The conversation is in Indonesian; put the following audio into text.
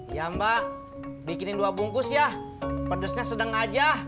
iya mbak bikinin dua bungkus ya pedasnya sedang aja